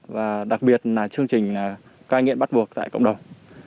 và đặc biệt là chương trình cai nghiện bắt buộc tại cộng đồng